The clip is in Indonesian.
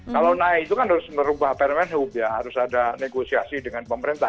kalau naik itu kan harus merubah permen hub ya harus ada negosiasi dengan pemerintah